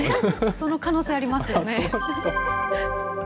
その可能性ありますよね。